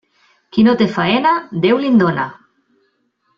Qui no té faena, Déu li'n dóna.